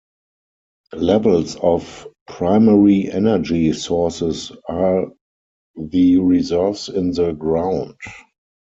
Levels of primary energy sources are the reserves in the ground.